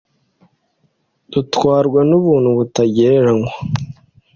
dutwarwa n ubuntu butagereranywa